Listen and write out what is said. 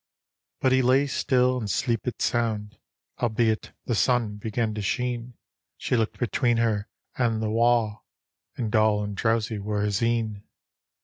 But he lay still and sleepit sound, Albeit the sun began to sheen; She looked between her and the wa', And dull and drowsie were his een.